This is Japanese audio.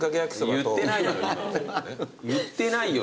言ってないよ